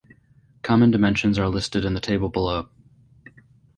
Common dimensions are listed in the table below.